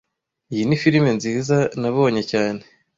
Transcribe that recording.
Iyi ni firime nziza nabonye cyane